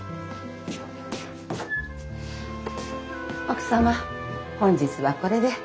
奥様本日はこれで。